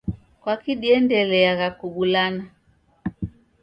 Kwaki diendeliagha kubulana?